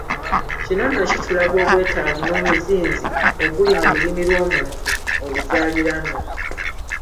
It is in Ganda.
Kino nno kitulaga obwetaavu n’omuzinzi oguli mu lulimi lw’Omuntu oluzaaliranwa.